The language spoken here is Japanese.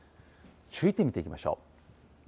注意点見ていきましょう。